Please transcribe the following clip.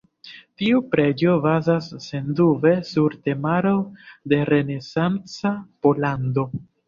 Tiu preĝo bazas sendube sur temaro de renesanca Pollando.